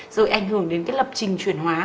rồi ảnh hưởng đến cái lập trình chuyển hóa